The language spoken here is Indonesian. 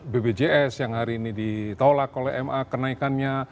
bpjs yang hari ini ditolak oleh ma kenaikannya